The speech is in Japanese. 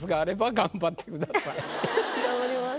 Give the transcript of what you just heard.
頑張ります。